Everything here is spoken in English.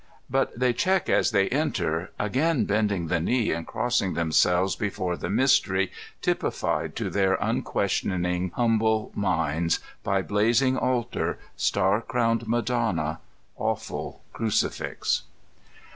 But they check as they enter, again bending the knee and crossing themselves before the Mystery typified to their un questioning, humble minds by blazing altar, star crowned Madonna, awful crucifix.